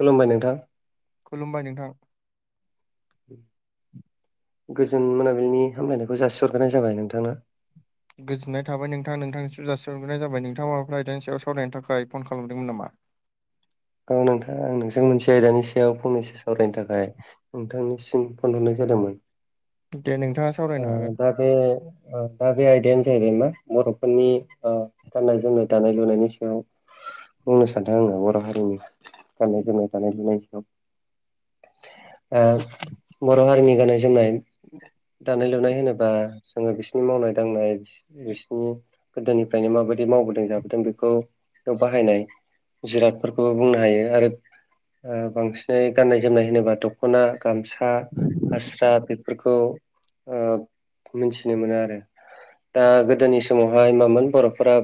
खुलुमबाय नोंथां। खुलुमबाय नोंथां। गोजोन मोनाबिलिनि हामलायनायखौ जासिहरग्राय जाबाय नोंथांनो। गोजोननायाबाय नोंथां नोंथांनिसो जासिहग्रोन जाबाय नोंथाङा माबा आइदानि सायाव सावरायनो थाखाय फन खालामदोंमोन नामा। औ नोंथां आं नोंसोर मोनसे आयदानि सायाव फन मेसेज सावरायनो थाखाय। नोंथांनिसिम फनहरनाय जादोंमोन। दे नोंथाङा। सावरायनो हागोन। जाहाथे। दा बे आयदायानो जाहैबाय मा बर'फोरनि गाननाय जोमनाय दानाय लुनायनि सायाव। बुंनो सानदों आङो बर' हारिनि गाननाय जोमनाय दानाय लुनायनि समाव। बर' हारिनि गाननाय जोमनाय। दानाय लुनाय होनोबा जोङो बिसिनि मावनाय दांनाय। बिसिनि गोदोनिफ्रायनो माबायदि मावबोदों जाबोदों बेखौ बाहायनाय। जिरादफोरखौबो बुंनो हायो आरो बांसिनै गाननाय जोमनाय होनोबा थ'। दख'ना गामसा हास्रा बेफोरखौ। मिथिनो मोनो आरो दा गोदोनि समावहाय मामोन बर'फोरा।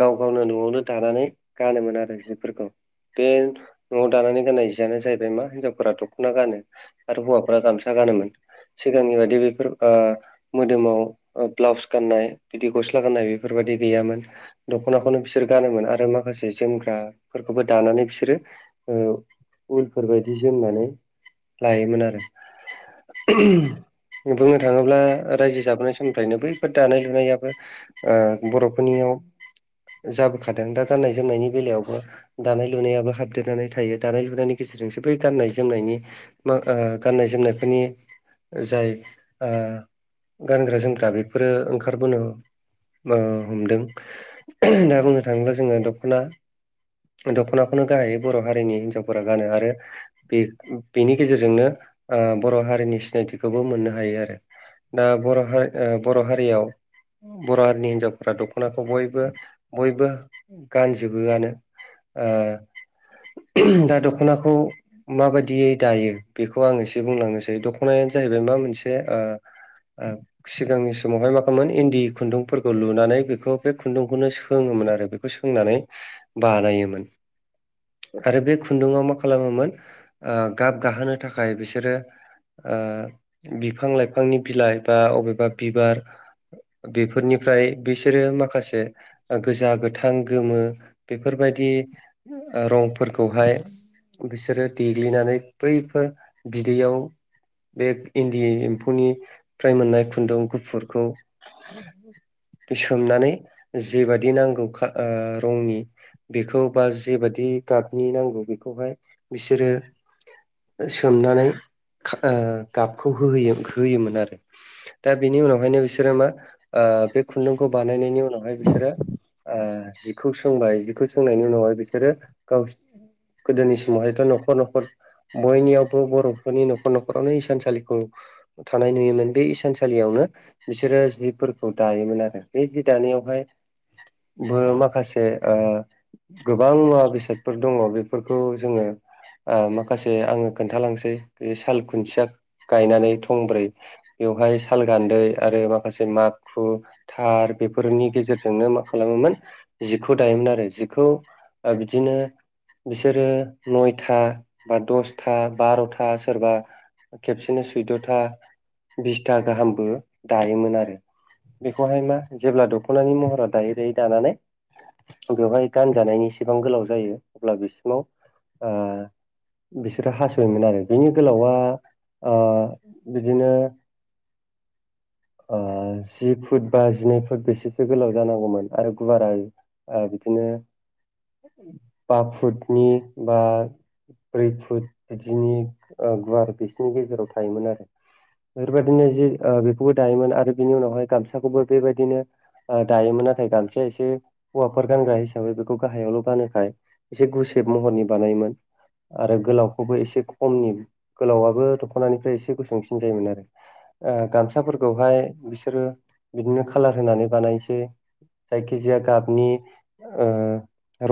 गाव गावनो न'आवनो दानानै गानोमोन आरो जिफोरखौ। बे न'आव दानानै गाननाय जियानो जाहैबाय मा हिन्जावफोरा दख'ना गानो। आरो हौवाफोरा गामसा गानोमोन। सिगांनि बायदि बेफोर। मोदोमाव ब्लाउस गाननाय बिदि गस्ला गाननाय बेफोरबायदि गैयामोन। दख'नाखौनो बिसोर गानोमोन आरो माखासे जोमग्राफोरखौबो दानानै बिसोरो। उलफोरबायायदि जोमनानै लायोमोन आरो बुंनो थाङोब्ला रायजो जाबोनाय समनिफ्रायनो बैफोर दानाय लुनायाबो बर'फोरनियाव जाबोखादों दा गान्नाय जोमनायनि बेलायावबो। दानाय लुनायाबो हाबदेरनानै थायो दानाय लुनायनि गेजेरजोंसो बै गान्नाय जोमनायनि। मा गाननाय जोमनायफोरनि। जाय गानग्रा जोमग्रा बेफोरो ओंखारबोनो। हमदों दा बुंनो थाङोब्ला जोङो दख'ना। दख'नाखौनो गाहायै बर' हारिनि हिन्जावफोरा गानो आरो। बे बेनि गेजेरजोंनो बर' हारिनि सिनायथिखौ। खौबो मोननो हायो आरो दा बर' बर' हारियाव। बर' हारिनि हिन्जावफोरा दख'नाखौ बयबो बयबो गानजोबोआनो। दा दख'नाखौ। माबायदियै दायो बेखौ आं एसे बुंलांनोसै दख'नायानो जाहैबाय मा मोनसे। औ। सिगांनि समावहाय माखामोन इन्दि खुन्दुंफोरखौ लुनानै बेखौ बे खुन्दुंखौनो सोङोमोन आरो बे। बेखौ सोंनानै बानायोमोन। आरो बे खुन्दुङाव मा खालामोमोन गाब गाहोनो थाखाय बिसोरो। बिफां लाइफांनि बिलाइ बा अबेबा बिबार। बेफोरनिफ्राय बिसोरो माखासे। गोजा गोथां गोमो बेफोरबायदि। रंफोरखौहाय बिसोरो देग्लिनानै बैफोर बिदैयाव। बे इन्दि एम्फौनिफ्राय मोननाय खुन्दुं गुफुरखौ। सोमनानै जेबादि नांगौ खार रंनि बेखौ बा जेबादि गाबनि नांगौ बेखौहाय बिसोरो सोमनानै खा गाबखौ होयो होयोमोन आरो दा बेनि उनावहायनो बिसोरो मा ओ बे खुन्दुंखौ बानायनायनि उनावहाय बिसोरो ओ जिखौ सोंबाय जिखौ सोंनायनि उनावहाय बिसोरो गाव गोदोनि समावहायथ' न'खर न'खर बयनियावबो बर'फोरनि न'खर न'खरावनो इसान सा सालिखौ थानाय नुयोमोन बे इसानसालियावनो बिसोरो जिफोरखौ दायोमोन आरो बे जि दानायावहाय बो माखासे ओ गोबां मुवा बेसाद फोर दङ बेफोरखौ जोङो ओ माखासे आङो खोन्थालांसै बे साल खुन्थिया गायनानै थंब्रै बेवहाय साल गान्दै आरो माखासे माखु थार बेफोरनि गेजेरजोंनो मा खालामोमोन जिखौ दायोमोन आरो जिखौ ओ बिदिनो बिसोरो नयथा बा दसथा बार'था सोरबा खेबसेनो सैद'था बिसथा गाहामबो दायोमोन आरो बेखौहाय मा जेब्ला दख'नानि महरा दायै दायै दानानै बेवहाय गानजानायनि एसेबां गोलाव जायो अब्ला बिसिमाव ओ बिसोरो हासोयोमोन आरो बेनि गोलावा ओ बिदिनो ओ जि फुट बा जिनै फुट बेसेसो गोलाव जानांगौमोन आरो गुवारा ओ बिदिनो बा फुटनि बा ब्रै फुट बिदिनि ओ गुवार बिसिनि गेजेराव थायोमोन आरो बेफोरबायदिनो जि ओ बेखौबो दायोमोन आरो बिनि उनावहाय गामसाखौबो बेबायदिनो दायोमोन नाथाय गामसाया एसे हौवाफोर गानग्रा हिसाबै बेखौ गाहायावल' गानोखाय एसे गुसेब महरनि बानायोमोन आरो गोलावखौबो एसे खमनि गोलावा बो दख'नानिफ्राय एसे गसुंसिन जायोमोन आरो ओ गामसाफोरखौहाय बिसोरो बिदिनो खाालार होनानै बानायसै जायखिजाया गाबनि ओ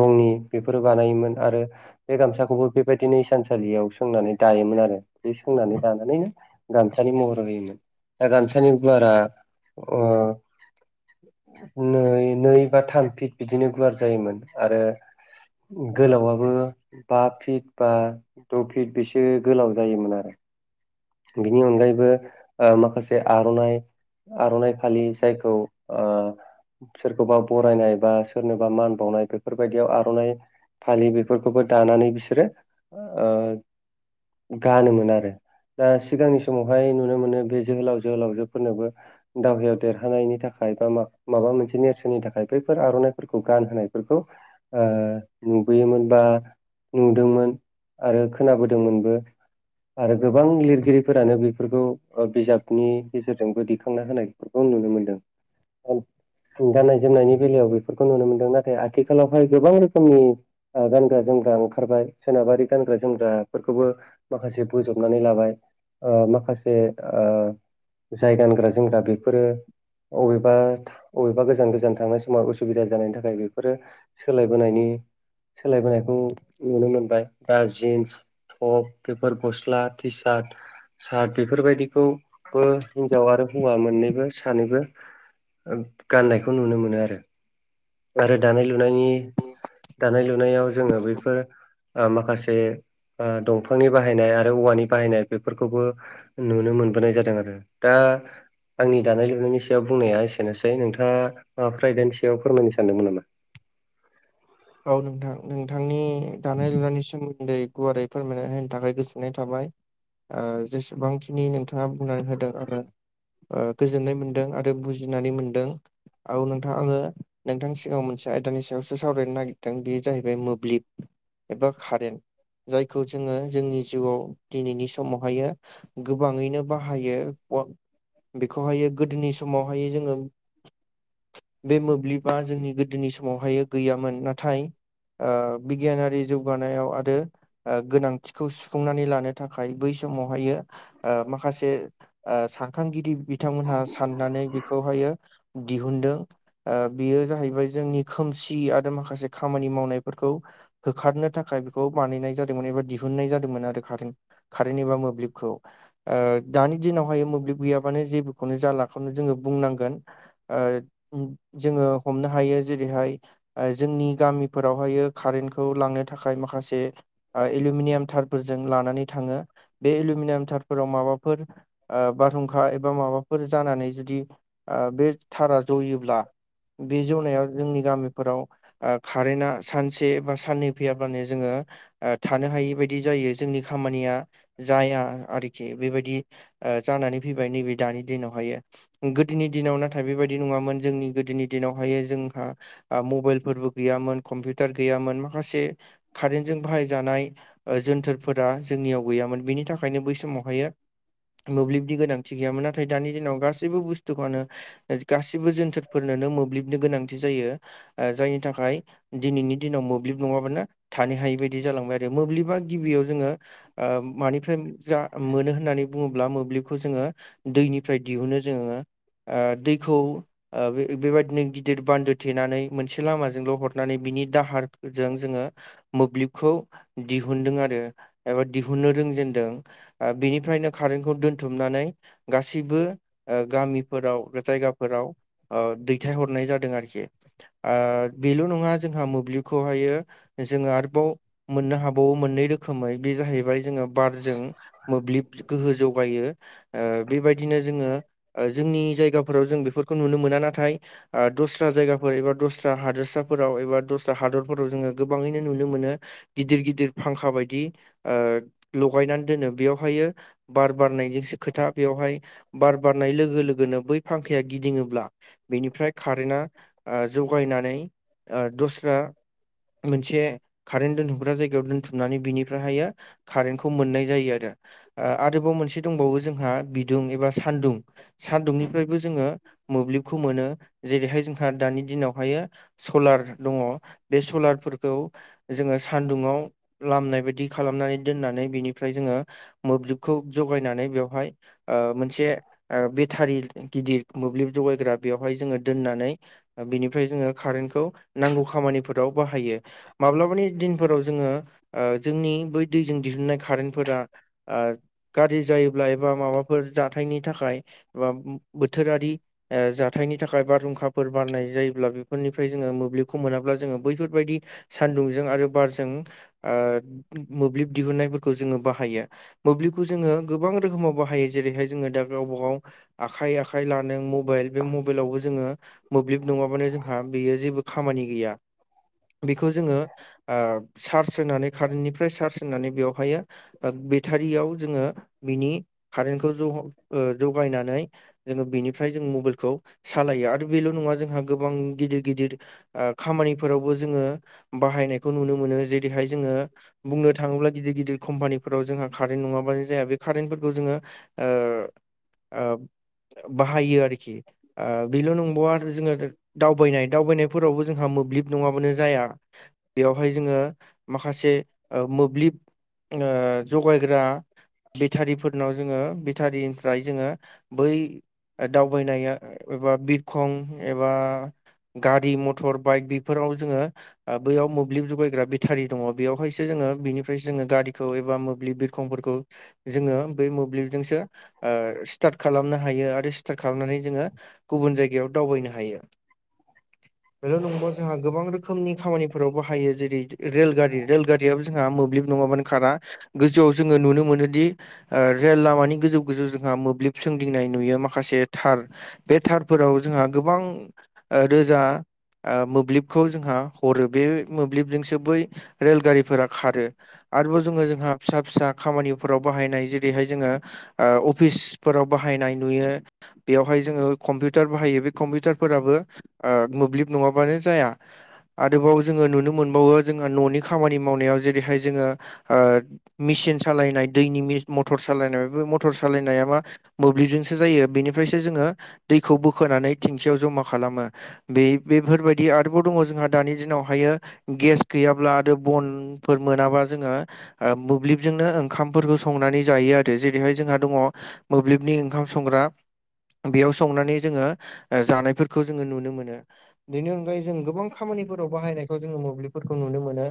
रंनि बेफोरो बानायोमोन आरो बे गामसाखौबो बेबायदिनो इसानसालियाव सोंनानै दायोमोन आरो। बे सोंनानै लानानैनो गामसानि महर होयोमोन दा गामसानि गुवारा अ नै नै बा थाम फिट बिदिनो गुवार जायोमोन आरो गोलावबो बा फिट बा द' फिट बेसो गोलाव जायोमोन आरो बिनि अनगायैबो ओ माखासे आर'नाइ आर'नाइ फालि जायखौ ओ सोरखौबा बरायनाय बा सोरनोबा मान बावनाय बेफोरबायदियाव आर'नाइ फालि बेफोरखौबो दानानै बिसोरो ओ गानोमोन आरो दा सिगांनि समावहाय नुनो मोनो बे जोहोलाव जोहोलावजोफोरनोबो दावहायाव देरहानायनि थाखाय बा माबा मोनसे नेरसोननि थाखाय बैफोर आर'नाइफोरखौ गानहोनायफोरखौ ओ नुबोयोमोन बा नुदोंमोन आरो खोनाबोदोंमोनबो आरो गो गोबां लिरगिरिफोरानो बेफोरखौ ओ बिजाबनि गेजेरजोंबो दिखांना होनाय फोरखौ नुनो मोनदों। गाननाय जोमनायनि बेलायाव बेफोरखौ नुनो मोनदों नाथाय आथिखालावहाय गोबां रोखोमनि ओगानग्रा जोमग्रा ओंखारबाय सोनाबारि गानग्रा जोमग्राफोरखौबो माखासे बोजब नानै लाबाय ओ माखासे ओजाय गानग्रा जोमग्रा बेफोरो अबेबा बबेबा गोजान गोजान थांनाय समाव उसुबिदा जानायनि थाखाय बेफोरो सोलायबोनायनि सोलायबोनायखौ नुनो मोनबाय दा जिन्स, टप बेफोर गस्ला टिसाद साद बेफोरबायदिखौबो हिनजाव आरो हौवा मोननैबो सानैबो ओ गाननायखौ नुनो मोनो आरो। आरो दानाय लुनायनि दानाय लुनायाव जोङो बेैफोर ओ माखासे ओ दंफांनि बाहायनाय आरो औवानि बाहायनाय बेफोरखौबो नुनो मोनबोनाय जादों आरो। दा आंनि दानाय लुनायनि सायाव बुंनाया एसेनोसै नोंथाङा ओ फ्राइदानि सायाव फोरमायनो सानदोंमोन नामा? औ नोंथां नोंथांनि दानाय लुनायनि सोमोन्दै गुवारै फोरमायना होनो थाखाय गोजोननाय थाबाय। ओ जेसेबांखिनि नोंथाङा बुंनानै होदों आरो ओ गोजोननाय मोन्दों आरो बुजिनानै मोनदों। औ नोंथां आङो नोंथांनि सिगाङाव मोनसे आयदानि सायावसो सावरायनो नागि दों बेयो जाहैबाय मोब्लिब एबा कारेन्ट। जायखौ जोङो जोंनि जिउआव दिनैनि समावहायो गोबाङैनो बाहायो। बन बेखौहायो गोदोनि समावहायो जोङो बे मोब्लिबा जोंनि गोदोनि समावहायो गैयामोन। नाथाय थाइ ओ बिगियानारि जौगानायाव आरो ओ गोनांथिखौ सुफुंनानै लानो थाखाय बै समावहायो ओ माखासे ओ सानखांगिरि बिथांमोनहा साननानै बेखौहायो दिहुनदों। ओ बेयो जाहैबाय जोंनि खोमसि आरो माखासे खामानि मावनायफोरखौ होखारनो थाखाय बेखौ बानिनाय जादोंमोन एबा दिहुननाय जादोंमोन आरो कारेन्ट। कारेन्ट एबा मोब्लिबखौ ओ दानि दिनावहायो मोब्लिब गैयाबानो जेबोखौनो जालाखौनो जोङो बुंनांगोन। ओ जोङो हमनो हायो जेरैहाय जोंनि गामिफोरावहायो कारेन्टखौ लांनो थाखाय माखासे ओ एलुमिनियाम थारफोरजों लानानै थाङो। बे एलुमिनियाम थारफोराव माबाफोर ओ बारहुंखा एबा माबाफोर जानानै जुदि ओ बे थारा जयोब्ला बे जनाया जोंनि गामिफोराव ओ कारेन्टा सानसे बा साननै फैयाब्लानो जोङो ओ थानो हायि बायदि जायो जोंनि खामानिया जाया आरोखि। बेबायदि ओ जानानै फैबाय नैबे दानि दिनावहायो। गोदोनि दिनाव नाथाय बेबायदि नङामोन जोंनि गोदोनि दिनावहायो जोंहा आ मबाइलफोरबो गैयामोन कम्पिउटार गैयामोन। माखासे कारेन्टजों बाहायजानाय ओ जोनथोरफोरा जोंनियाव गैयामोन बिनि थाखायनो बै समावहायो मोब्लिबनि गोनांथि गैयामोन। नाथाय दानि दिनाव गासैबो बुस्थुखौनो ओ गासिबो जोनथोरफोरनोनो मोब्लिबनि गोनांथि जायो। जायनि थाखाय खाय दिनैनि दिनाव मोब्लिब नङाबानो थानो हायि बायदि जालांबाय आरो। मोब्लिबा गिबियाव जोङो ओ मानिफ्राय जा मोनो होननानै बुङोब्ला मोब्लिबखौ जोङो दैनिफ्राय दिहुनो जोङो। ओ दैखौ ओ बे-बेबायदिनो गिदिर बान्दो थेनानै मोनसे लामाजों जोंल'' हरनानै बिनि दाहारजों जोङो मोब्लिबखौ दिहुनदों आरो एबा दिहुननो रोंजेनदों। ओ बिनिफ्रायनो कारेन्टखौ दोनथुमनानै गासिबो ओ गामिफोराव जायगाफोराव ओ दैथायहरनाय जादों आरोखि। ओ बेल' नङा जोंहा मोब्लिबखौहायो जोङो आरोबाव मोननो हाबावो मोननै रोखोमै बे जाहैबाय जोङो बारजों मोब्लिब गोहो जौगायो। ओ बेबायदिनो जोङो ओ जोंनि जायग जायगाफोराव जों बिफोरखौ नुनो मोना नाथाय आ दस्रा जायगाफोर एबा दस्रा हादोरस फोराव एबा दस्रा हादरफोराव जोङो गोबाङैनो नुनो मोनो गिदिर गिदिर फांखा बायद दि लगायनानै दोनो बेयावहायो बार बारनायजोंसो खोथा बेवहाय बार बारनाय लोगो लोगोनो बै फांखाया गिदिङोब्ला बेनिफ्राय कारेन्टआ ओ जौगायनानै दस्रा मोनसे कारेन्ट दोनथुमग्रा जायगायाव दोनथुमनानै बिनिफ्राय हायो कारेन्टखौ मोननाय जायो आरो ओ आरोबाव मोनसे दंबावो जोंहा बिदुं एबा सान्दुं सानदुंनिफ्रायबो जोङो मोब्लिबखौ मोनो जेरैहाय जोंहा दानि दिनावहायो सलार दङ बे सलारफोरखौ जोङो सान्दुंङाव लामनाय बायदि खालामनानै दोननानै बिनिफ्राय जोङो मोब्लिबखौ जगायनानै बेवहाय ओ मोन से ओ बेथारि गिदिर मोब्लिब जगायग्रा बेवहाय जोङो दोननानै बेनिफ्राय जोङो कारेन्खौ नांगौ खामानिफोर राव बाहायो माब्लाबानि दिनफोराव जोङो ओ जोंनि बै दैजों दिहुनन्नाय कारेन्टफोरा ओ गारजि जायोब्ला एबा माबाफोर जाथायनि थाखाय एबा बोथोरारि जाथायनि थाखाय बारहुंखाफोर बारनाय जायोब्ला बे फोरनिफ्राय जोङो मोब्लिबखौ मोनाब्ला जोङो बैफोरबायदि सान्दुंजों आरो बारजों ओ मोब्लिब दिहुनन्नायफोरखौ जोङो बाहायो मोब्लिबखौ जोङो गोबां रोखोमाव बाहायो जेरैहाय जोङो दा गावबा गाव आखाइ आखाइ लानों मबाइल बे मबाइलावबो जोङो मोब्लिब नङाबानो जों हा बेयो जेबो खामानि गैया बेखौ जोङो ओ चार्ज होनानै कारेन्टनिफ्राय चार्ज होनानै बेवहायो ओब बेथारियाव जोङो बिनि कारेन्टखौ ज ओ जगायनानै जोङो बेनिफ्राय जों मबाइलखौ सालायो आरो बेल' नङा जों हा गोबां गिदिर गिदिर ओ खामानिफोरावबो जोङो बाहायनायखौ नुनो मोनो जेरैहाय जोङो बुंनो थाङोब्ला गिदिर गिदिर कम्पानिफोराव जोंहा कारेन्ट नङाबानो जाया बे कारेन्टफोरखौ जोङो ओ ओ बाहायो आरोखि बेल' नंबावा आरो जोङो दावबायनाय दावबायनायफोरावबो जोंहा मोब्लिब नङाबानो जाया बेयावहाय जोङो माखासे ओ मोब्लिब ओ जगायग्रा बेथारिफोरनाव जोङो बेथारिनिफ्राय जोङो बै ओ दावबायनाया एबा बिरखं एबा गारि मथर बाइक बिफोराव जोङो ओ बैयाव मोब्लिब जुगायग्रा बेथारि दङ बेयावहायसो जोङो बेनिफ्रायसो जोङो गारिखौ एबा मोब्लिब खंफोरखौ जोङो बे मोब्लिबजोंसो ओ स्टार्ट खालामनो हायो आरो स्टार्ट खालामनानै जोङो गुबुन जायगायाव दावबायनो हायो बेल' नंबवा जोंहा गोबां रोखोमनि खामानिफोराव बाहायो जेरै रेलगारि रेलगारि गैयाबा जोंहा मोब्लिब नङाबानो खारा गोजौआव जोङो नुनो मोनोदि ओ रेल लामानि गोजौ गोजौ जोंहा मोब्लिब सोंदिंनाय नुयो माखासे थार बे थारफोराव जोंहा गोबां ओ रोजा ओ मोब्लिबखौ जोंहा हरो बे मोब्लिबजोंसो बै रेलगारिफोरा खारो आरोबाव जोङो जोंहा फिसा फिसा खामानिफोराव बाहायनाय जेरैहाय जोङो ओ अफिसफोराव बाहायनाय नुयो बेवहाय जोङो कम्पिउटार बाहायो बे कम्पिउटारफोराबो ओ मोब्लिब नङाबानो जाया आदोबाव जोङो नुनो मोनबावो जोङो न'नि खामानि मावनायाव जेरैहाय जोङो ओ मेसिन सालायनाय दैनि मटर सालायनाय बे मथर सालायनाया मा मोब्लिबजोंसो जायो बेनिफ्रायसो जोङो दैखौ बोखोनानै थिंखियाव जमा खालामो। बे बेफोरबायदि आरोबाव दङ जोंहा दानि दिनावहायो गेस गैयाब्ला आदो बनफोर मोनाबा जोङो ओ मोब्लिबजोंनो ओंखामफोरखौ संनानै जायो आरो जेरैहाय जोंहा दङ मोब्लिबनि ओंखाम संग्रा बेयाव संनानै जोङो ओ जानायफोरखौ जोङो नुनो मोनो बेनि अनगायै जों गोबां खामानिफोराव बाहायनायखौ जोङो मोब्लिबफोरखौ नुनो मोनो।